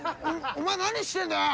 お前何してんだよ